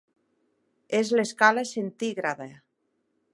És l'escala centígrada.